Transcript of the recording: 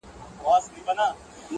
ستا له تنګ نظره جُرم دی ذاهده,